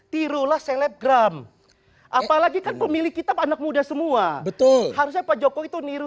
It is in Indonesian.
tirulah selebgram apalagi kan pemilik kitab anak muda semua betul harusnya pak jokowi itu niru